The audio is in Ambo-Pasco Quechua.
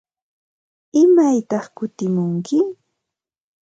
¿Imaytaq kutimunki?